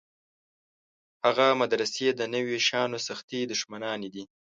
هغه مدرسې د نویو شیانو سختې دښمنانې دي.